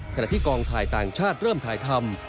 ขณะที่กองถ่ายต่างชาติเริ่มถ่ายทำ